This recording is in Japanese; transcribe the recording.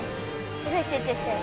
・すごい集中してる。